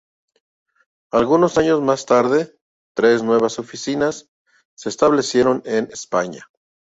Algunos años más tarde, tres nuevas oficinas se establecieron en España.